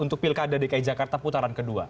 untuk pilkada dki jakarta putaran kedua